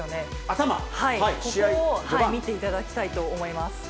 ここを見ていただきたいと思います。